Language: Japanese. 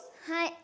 はい。